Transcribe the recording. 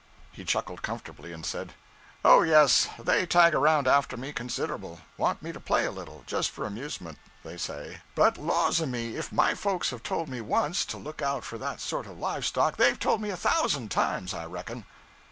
He chuckled comfortably and said 'Oh, yes! they tag around after me considerable want me to play a little, just for amusement, they say but laws a me, if my folks have told me once to look out for that sort of live stock, they've told me a thousand times, I reckon.'